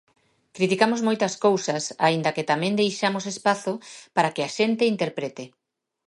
Criticamos moitas cousas aínda que tamén deixamos espazo para que a xente interprete.